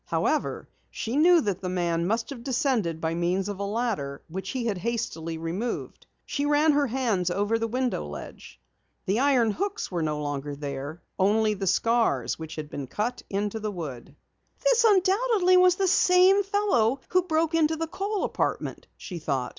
However, she knew that the man must have descended by means of a ladder which he had hastily removed. She ran her hand over the window ledge. The iron hooks no longer were there, only the scars which had been cut in the wood. "This undoubtedly was the same fellow who broke into the Kohl apartment!" she thought.